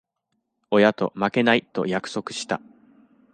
親と負けない、と約束した。